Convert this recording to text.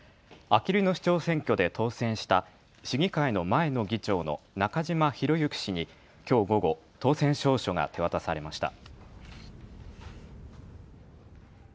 あきる野市長選挙で当選した市議会の前の議長の中嶋博幸氏にきょう午後、当選証書が手渡されました。